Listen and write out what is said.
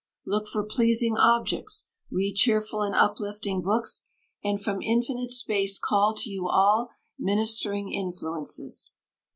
Look for pleasing objects, read cheerful and uplifting books, and from infinite space call to you all ministering influences.